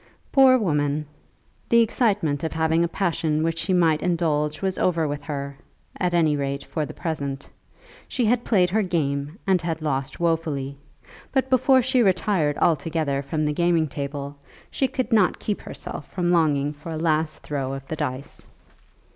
Poor woman! The excitement of having a passion which she might indulge was over with her, at any rate for the present. She had played her game and had lost wofully; but before she retired altogether from the gaming table she could not keep herself from longing for a last throw of the dice.